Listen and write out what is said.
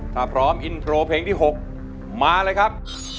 ถ้าพร้อมอินโทรเพลงที่๖มาเลยครับ